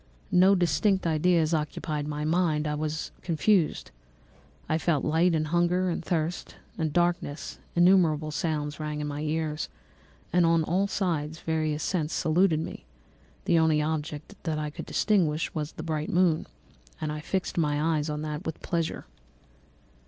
No distinct ideas occupied my mind; all was confused. I felt light, and hunger, and thirst, and darkness; innumerable sounds rang in my ears, and on all sides various scents saluted me; the only object that I could distinguish was the bright moon, and I fixed my eyes on that with pleasure.